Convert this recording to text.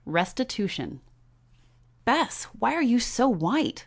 RESTITUTION "Bess, why are you so white?